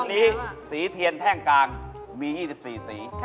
วันนี้สีเทียนแท่งกลางมี๒๔สี